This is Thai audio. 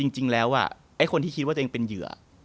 จริงแล้วไอ้คนที่คิดว่าตัวเองเป็นเหยื่อ